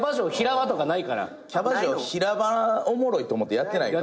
キャバ嬢平場おもろいと思ってやってないから。